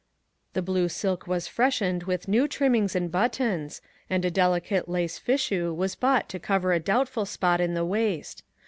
The blue silk was freshened with new trimmings and buttons, and a del icate lace fichu was bought to cover a doubt ful spot in the waist.